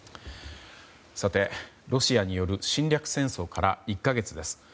さて、ロシアによる侵略先行から１か月です。